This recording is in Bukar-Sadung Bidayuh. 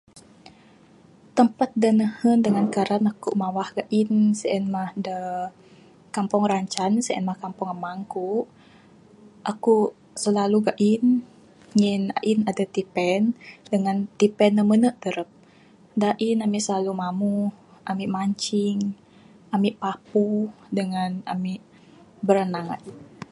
Tampat da nehen da karan aku mawah gain. Sien mah de Kampung ranchan, sien mah kampung amang ku, aku silalu gain ngin ain adeh tipen dangan tipen ne mene terep. Da ain ami silalu mamuh, ami mancing, ami papu dangan ami biranang in.